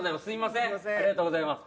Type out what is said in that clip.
ありがとうございます。